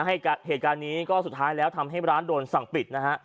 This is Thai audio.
เหตุการณ์นี้ก็สุดท้ายแล้วทำให้ร้านโดนสั่งปิดนะฮะ